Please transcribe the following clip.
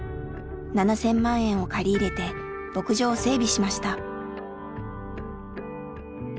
７，０００万円を借り入れて牧場を整備しました。